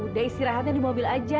udah istirahatnya di mobil aja